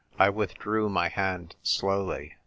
I withdrew my hand slowly.